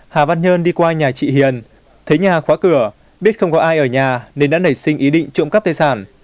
hà văn nhơn đi qua nhà chị hiền thấy nhà khóa cửa biết không có ai ở nhà nên đã nảy sinh ý định trộm cắp tài sản